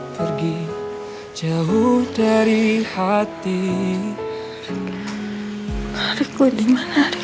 jangan kemana mana based mulai